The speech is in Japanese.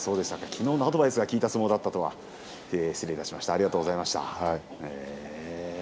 きのうのアドバイスが効いた相撲だったとは、失礼しました。